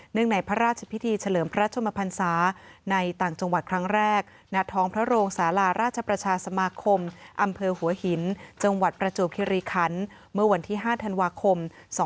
ในพระราชพิธีเฉลิมพระชมพันศาในต่างจังหวัดครั้งแรกณท้องพระโรงศาลาราชประชาสมาคมอำเภอหัวหินจังหวัดประจวบคิริคันเมื่อวันที่๕ธันวาคม๒๕๖๒